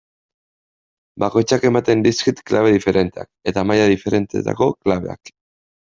Bakoitzak ematen dizkit klabe diferenteak, eta maila diferentetako klabeak.